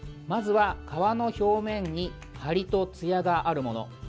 まずは皮の表面に張りとつやがあるもの。